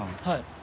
はい。